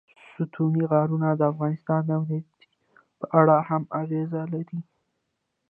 ستوني غرونه د افغانستان د امنیت په اړه هم اغېز لري.